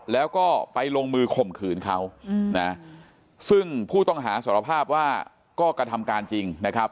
แล้วก็ไปลงมือข่มขืนเขานะซึ่งผู้ต้องหาสารภาพว่าก็กระทำการจริงนะครับ